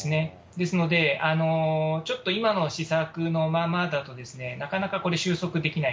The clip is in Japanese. ですので、ちょっと今の施策のままだと、なかなか収束できない。